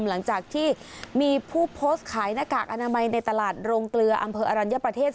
หลังจากที่มีผู้โพสต์ขายหน้ากากอนามัยในตลาดโรงเกลืออำเภออรัญญประเทศ